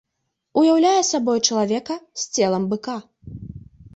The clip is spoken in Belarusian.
Уяўляе сабой чалавека з целам быка.